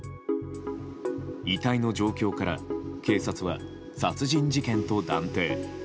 遺体の状況から警察は殺人事件と断定。